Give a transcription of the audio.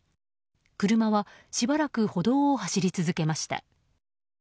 車はしばらく歩道を走り続けました。